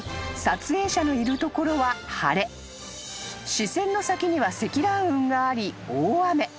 ［視線の先には積乱雲があり大雨］